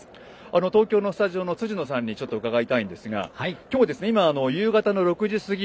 東京のスタジオの辻野さんにちょっと伺いたいんですが今日は今、夕方の６時過ぎ。